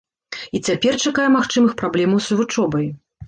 І цяпер чакае магчымых праблемаў з вучобай.